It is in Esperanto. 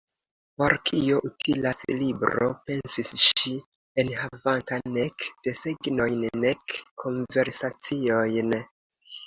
"Por kio utilas libro," pensis ŝi, "enhavanta nek desegnojn nek konversaciojn?"